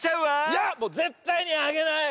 いやもうぜったいにあげない！